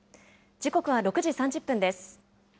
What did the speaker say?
時刻は６時３０分です。